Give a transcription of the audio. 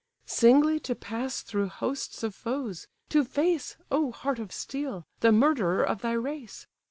Singly to pass through hosts of foes! to face (O heart of steel!) the murderer of thy race!